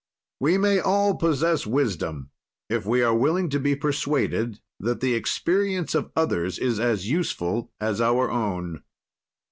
"We may all possess wisdom if we are willing to be persuaded that the experience of others is as useful as our own."